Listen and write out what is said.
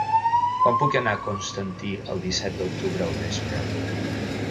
Com puc anar a Constantí el disset d'octubre al vespre?